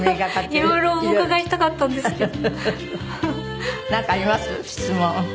いろいろお伺いしたかったんですけど。